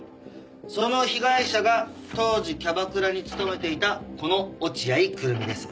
その被害者が当時キャバクラに勤めていたこの落合久瑠実です。